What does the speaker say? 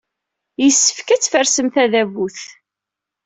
Yessefk ad tfersem tadabut.